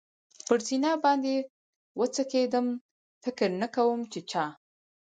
پر سینه باندې و څکېدم، فکر نه کوم چې چا.